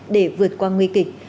để vượt qua nguy kịch